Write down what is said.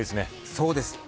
そうです。